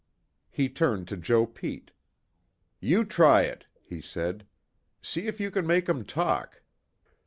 He turned to Joe Pete. "You try it," he said, "See if you can make 'em talk."